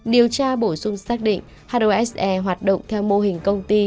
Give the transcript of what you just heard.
điều tra bổ sung xác định hose hoạt động theo mô hình công ty